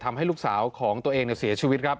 ทำให้ลูกสาวของตัวเองเสียชีวิตครับ